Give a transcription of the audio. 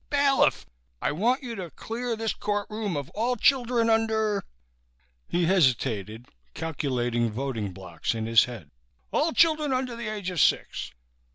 Bailiff! I want you to clear this courtroom of all children under " he hesitated, calculating voting blocks in his head "all children under the age of six.